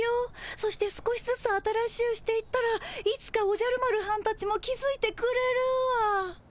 そして少しずつ新しゅうしていったらいつかおじゃる丸はんたちも気づいてくれるわ。